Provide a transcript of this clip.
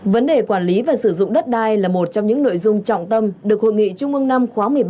vấn đề quản lý và sử dụng đất đai là một trong những nội dung trọng tâm được hội nghị trung mương năm khóa một mươi ba